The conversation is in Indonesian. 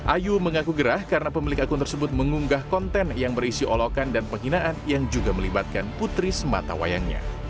ayu mengaku gerah karena pemilik akun tersebut mengunggah konten yang berisi olokan dan penghinaan yang juga melibatkan putri sematawayangnya